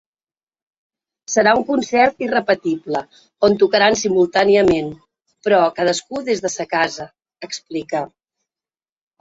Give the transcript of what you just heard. Serà un concert irrepetible, on tocaran simultàniament, però cadascú des de sa casa, explica.